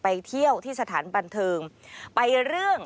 ไปเที่ยวที่สถานบันเทิง